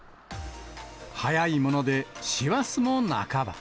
早いもので師走も半ば。